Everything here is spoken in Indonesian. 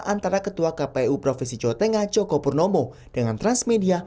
antara ketua kpu provinsi jawa tengah joko purnomo dengan transmedia